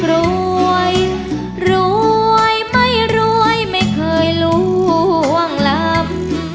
รวยรวยไม่รวยไม่เคยล่วงลับ